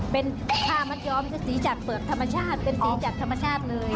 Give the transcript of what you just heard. เป็นผ้ามัดยอมหรือสีจากเปลือกธรรมชาติเป็นสีจากธรรมชาติเลย